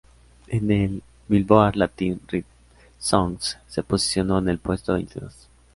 En el "Billboard Latín Rhythm Songs" se posicionó en el puesto veintidós.